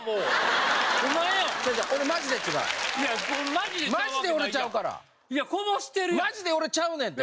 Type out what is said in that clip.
マジで俺ちゃうねんって。